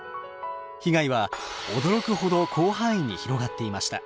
被害は驚くほど広範囲に広がっていました。